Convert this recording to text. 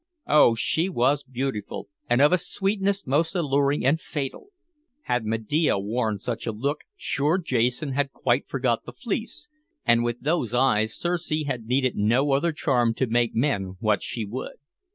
Oh, she was beautiful, and of a sweetness most alluring and fatal! Had Medea worn such a look, sure Jason had quite forgot the fleece, and with those eyes Circe had needed no other charm to make men what she would.